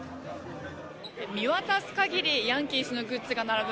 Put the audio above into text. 見渡す限りヤンキースのグッズが並ぶ